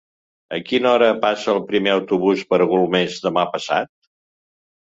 A quina hora passa el primer autobús per Golmés demà passat?